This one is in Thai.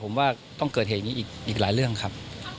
ผมว่าต้องเกิดเหตุอย่างนี้อีกหลายเรื่องครับ